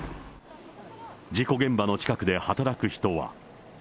事故現場の近くで働く人は。